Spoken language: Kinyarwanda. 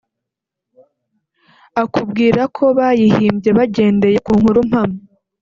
akubwira ko bayihimbye bagendeye ku nkuru mpamo